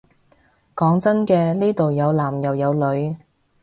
講真嘅，呢度有男又有女